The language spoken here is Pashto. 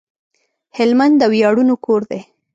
هلمند د وياړونو کور دی